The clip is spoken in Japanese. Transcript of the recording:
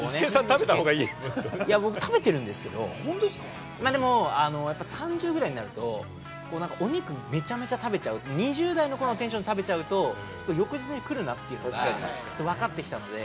僕、食べてるんですけれども、でも３０ぐらいでお肉めちゃめちゃ食べちゃうと、２０代の頃のテンションで食べちゃうと翌日に来るなってことがわかってきたんで。